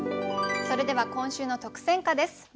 それでは今週の特選歌です。